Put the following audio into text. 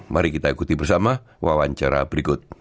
mari kita ikuti bersama wawancara berikut